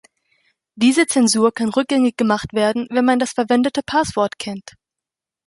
Diese Zensur kann rückgängig gemacht werden, wenn man das verwendete Passwort kennt.